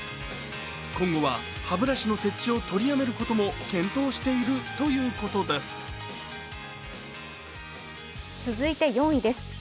今後は歯ブラシの設置を取りやめることも検討しているということです。